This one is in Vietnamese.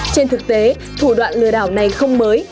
trên thực tế thủ đoạn lừa đảo này không mới